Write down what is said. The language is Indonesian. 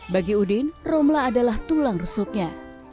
bagi udin romla adalah tulang rusuknya